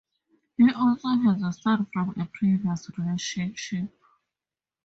He also has a son from a previous relationship.